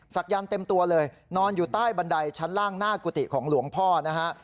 ยันต์เต็มตัวเลยนอนอยู่ใต้บันไดชั้นล่างหน้ากุฏิของหลวงพ่อนะฮะ